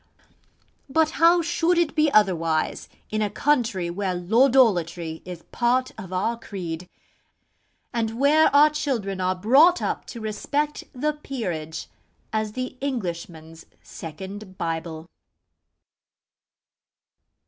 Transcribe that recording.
But how should it be otherwise in a country where Lordolatry is part of our creed, and where our children are brought up to respect the 'Peerage' as the Englishman's second Bible?